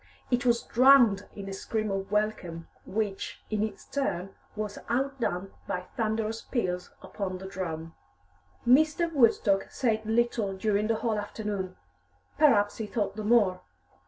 It was drowned in a scream of welcome, which, in its turn, was outdone by thunderous peals upon the drum. Mr. Woodstock said little during the whole afternoon. Perhaps he thought the more.